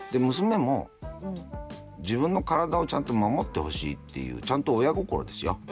娘も自分の体をちゃんと守ってほしいっていうちゃんと親心ですよ。